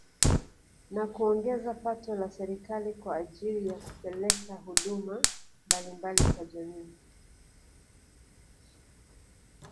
Na kuongeza pato la serikali kwa ajili ya kupeleka huduma mbalimbali kwa jamii